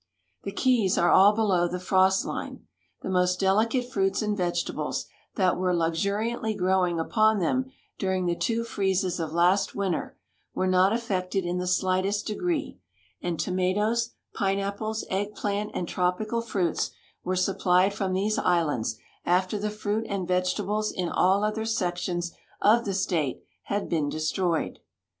The keys are all below the frost line. The mo.st delicate fruits and vegetables that were luxuriantly growing upon them during the two freezes of last winter were not affected in the slightest degree, and tomatoes, pineap{)les, eggplant, and tropical fruits were supplied from these islands after the fruit and vegetables in all other sections of the state had been destroyed.